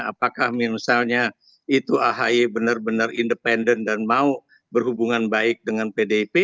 apakah misalnya itu ahy benar benar independen dan mau berhubungan baik dengan pdip